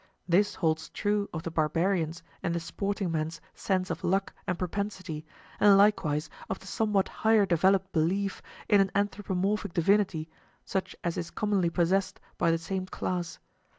This holds true of the barbarian's and the sporting man's sense of luck and propensity, and likewise of the somewhat higher developed belief in an anthropomorphic divinity, such as is commonly possessed by the same class.